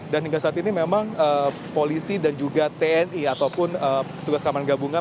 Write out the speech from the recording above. dan hingga saat ini memang polisi dan juga tni ataupun tugas kaman gabungan